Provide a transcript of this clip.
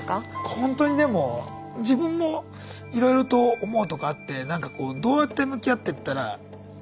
ほんとでも自分もいろいろと思うとこあってどうやって向き合っていったらいいんだろう